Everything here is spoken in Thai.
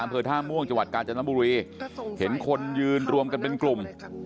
อำเภอท่าม่วงจังหวัดกาญจนบุรีเห็นคนยืนรวมกันเป็นกลุ่ม